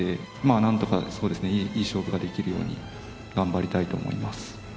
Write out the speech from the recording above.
なんとか、そうですね、いい勝負ができるように頑張りたいと思い